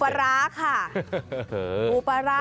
อูปาร้าค่ะอูปาร้าตำปลา